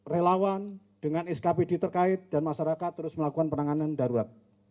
relawan dengan skpd terkait dan masyarakat terus melakukan penanganan darurat